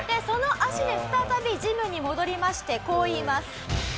その足で再びジムに戻りましてこう言います。